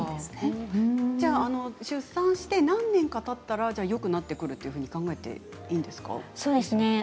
出産して何年かたったらよくなってくると考えていいんですか？